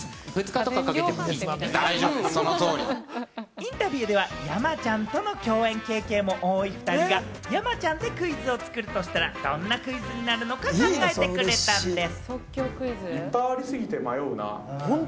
インタビューでは山ちゃんとの共演経験も多い２人が山ちゃんでクイズを作るとしたら、どんなクイズになるのか考えてくれたんでぃす。